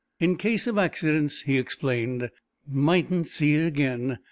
"In case of accidents," he explained, "mightn't see it again.